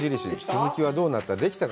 続きはどうなった？